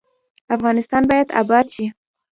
افغانستان باید اباد شي